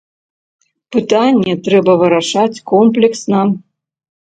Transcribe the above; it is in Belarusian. Пытанне трэба вырашаць комплексна.